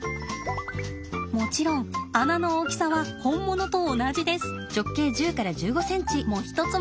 もちろん穴の大きさは本物と同じです。もひとつ